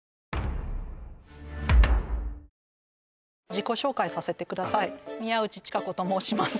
自己紹介させてください宮内元子と申します